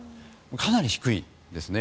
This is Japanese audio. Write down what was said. かなり低いですね。